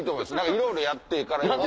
いろいろやってからやと。